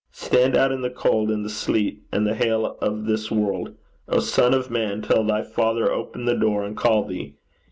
Stand out in the cold and the sleet and the hail of this world, O son of man, till thy Father open the door and call thee.